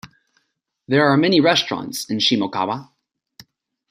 There are many restaurants in Shimokawa.